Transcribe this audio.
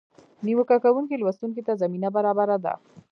نیوکه کوونکي لوستونکي ته زمینه برابره ده.